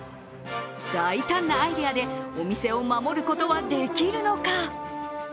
大胆なアイデアでお店を守ることはできるのか？